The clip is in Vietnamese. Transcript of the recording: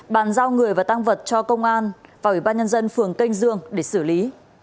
bàn giao người và tăng vật cho công an và ủy ban nhân dân phường canh dương để xử lý